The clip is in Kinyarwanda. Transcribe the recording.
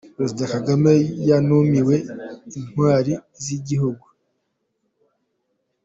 Perezida Kagame yunamiye intwari z’igihugu